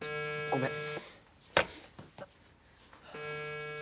ごめんね。